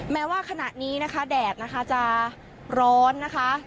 แม้ว่าขณะนี้นะคะแดดนะคะจะร้อนนะคะ